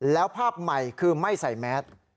แล้วภาพใหม่คือไม่ใส่แมส